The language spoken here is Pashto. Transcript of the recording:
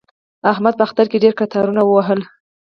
احمد په اختر کې ډېر قطارونه ووهل.